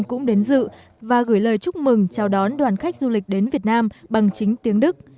cũng đến dự và gửi lời chúc mừng chào đón đoàn khách du lịch đến việt nam bằng chính tiếng đức